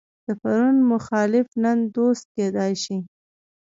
د پرون مخالف نن دوست کېدای شي.